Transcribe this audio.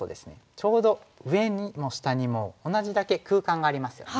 ちょうど上にも下にも同じだけ空間がありますよね。